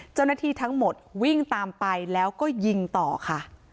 เจ้าหน้าที่ทั้งหมดวิ่งตามไปแล้วก็ยิงต่อค่ะ